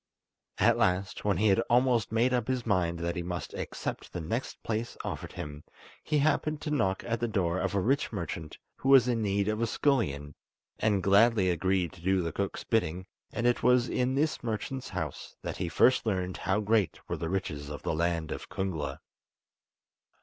At last, when he had almost made up his mind that he must accept the next place offered him, he happened to knock at the door of a rich merchant who was in need of a scullion, and gladly agreed to do the cook's bidding, and it was in this merchant's house that he first learned how great were the riches of the land of Kungla.